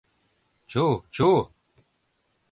— Чу, чу!